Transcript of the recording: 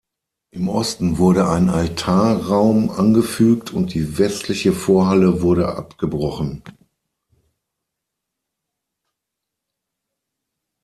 Im Osten wurde ein Altarraum angefügt und die westliche Vorhalle wurde abgebrochen.